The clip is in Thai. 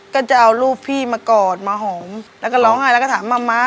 ก็จะเอารูปพี่มากอดมาหอมแล้วก็ร้องไห้แล้วก็ถามมะม้า